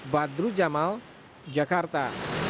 badru jamal jakarta